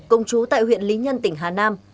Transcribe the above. công chú tại huyện lý nhân tỉnh hà nam